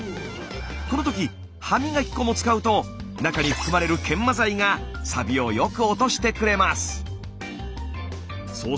この時歯磨き粉も使うと中に含まれる研磨剤がサビをよく落としてくれます。